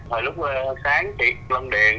hồi lúc sáng thì lông điền